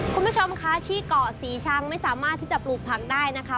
คุณผู้ชมคะที่เกาะศรีชังไม่สามารถที่จะปลูกผักได้นะคะ